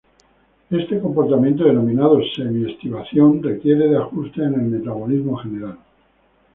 Este comportamiento, denominado semi-estivación, requiere de ajustes en el metabolismo general.